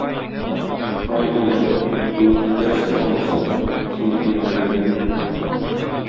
Ай, улым, китүен китәрсең анысы, син бит минем бер генәм.